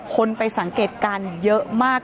คนไปสังเกตการณ์เยอะมาก